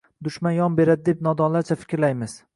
Dushman yon beradi deb nodonlarcha fikrlaymiz